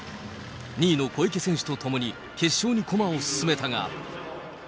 ２位の小池選手と共に決勝に駒を進めたが。